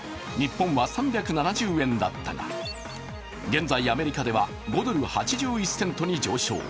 日本は３７０円だったが現在、アメリカでは５ドル８１セントに上昇。